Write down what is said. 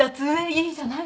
いいじゃない。